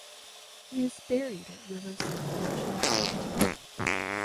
He is buried at Riverside National Cemetery.